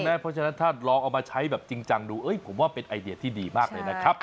เพราะฉะนั้นถ้าลองเอามาใช้แบบจริงจังดูผมว่าเป็นไอเดียที่ดีมากเลยนะครับ